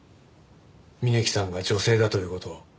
峯木さんが女性だという事を。